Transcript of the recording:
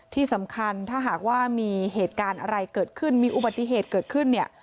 ที่สำคัญถ้าหากว่ามีเหตุการณ์อะไรเกิดขึ้นมีอุบัติเหตุเกิดขึ้นเนี่ย